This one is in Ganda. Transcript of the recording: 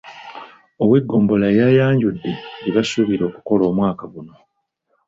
Ow’eggombolola yayanjudde bye basuubira okukola omwaka guno.